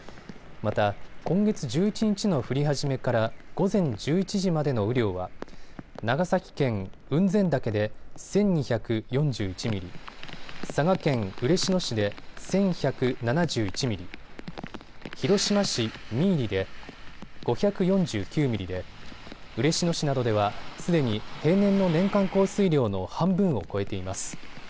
また、今月１１日の降り始めから午前１１時までの雨量は長崎県雲仙岳で１２４１ミリ、佐賀県嬉野市で１１７１ミリ、広島市三入で５４９ミリで嬉野市などでは、すでに平年の年間降水量の半分を超えています。